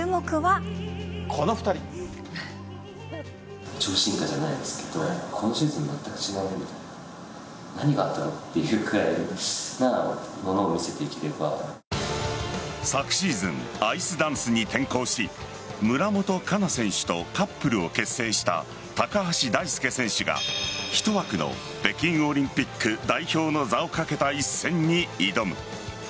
この２人。昨シーズンアイスダンスに転向し村元哉中選手とカップルを結成した高橋大輔選手が１枠の北京オリンピック代表の座を懸けた一戦に挑む。